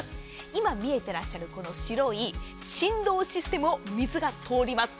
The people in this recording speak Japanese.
今、見えていらっしゃるこの白い振動システムを水が通ります。